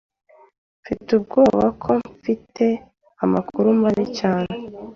Mfite ubwoba ko mfite amakuru mabi cyane.